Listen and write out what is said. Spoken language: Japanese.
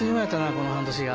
この半年が。